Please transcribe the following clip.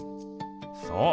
そう。